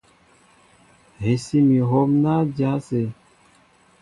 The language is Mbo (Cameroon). Hɛsí mi hǒm ná dya ásé.